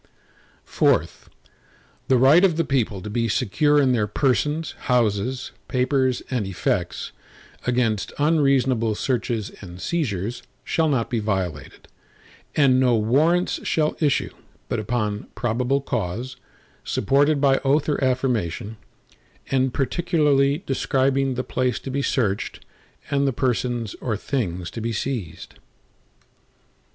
IV The right of the people to be secure in their persons, houses, papers, and effects, against unreasonable searches and seizures, shall not be violated, and no Warrants shall issue, but upon probable cause, supported by oath or affirmation, and particularly describing the place to be searched, and the persons or things to be seized.